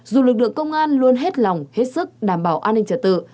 dù lực lượng công an luôn hết lòng hết sức đảm bảo an ninh trật tự